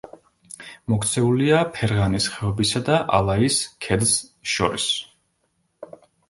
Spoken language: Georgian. მოქცეულია ფერღანის ხეობისა და ალაის ქედს შორის.